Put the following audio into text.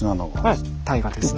はい大河ですね。